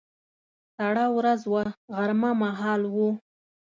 سړه ورځ وه، غرمه مهال و.